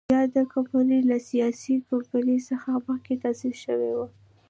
یاده کمپنۍ له سیالې کمپنۍ څخه مخکې تاسیس شوې وه.